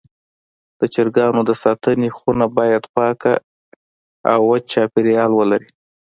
د چرګانو د ساتنې خونه باید پاکه او وچ چاپېریال ولري.